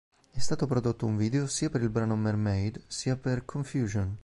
È stato prodotto un video sia per il brano "Mermaid" sia per "Confusion".